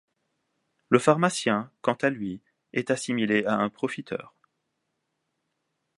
Le pharmacien, quant à lui, est assimilé à un profiteur.